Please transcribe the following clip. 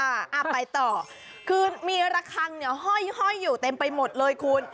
เอาไปต่อคือมีระคังเนี่ยห้อยอยู่เต็มไปหมดเลยคุณ